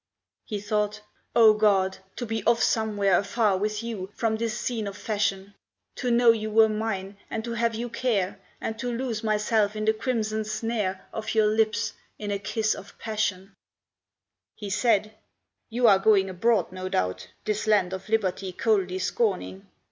He thought "Oh God! to be off somewhere Afar with you, from this scene of fashion; To know you were mine, and to have you care, And to lose myself in the crimson snare Of your lips, in a kiss of passion." He said "You are going abroad, no doubt, This land of Liberty coldly scorning.